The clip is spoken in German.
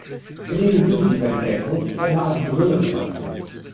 Diese sind wie bei den Geckos zu einer Art Brille verwachsen.